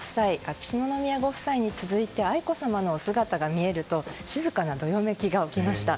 秋篠宮ご夫妻に続いて愛子さまのお姿が見えると静かなどよめきが起きました。